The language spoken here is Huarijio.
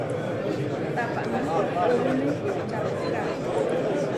Tapaná kahpórune čapahká.